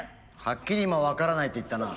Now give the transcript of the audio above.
はっきり今「分からない」と言ったな。